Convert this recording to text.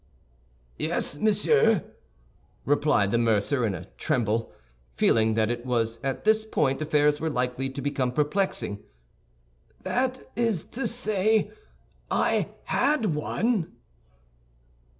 "Yes, monsieur," replied the mercer, in a tremble, feeling that it was at this point affairs were likely to become perplexing; "that is to say, I had one."